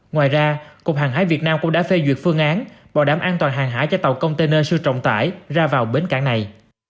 ngoài ra cục hàng hải việt nam cũng đã phê duyệt phương án bảo đảm an toàn hàng hải cho tàu container siêu trọng tải ra vào bến cảng này